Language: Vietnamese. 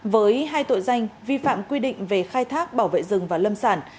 với hai tội danh vi phạm quy định về khai thác bảo vệ rừng và lâm sản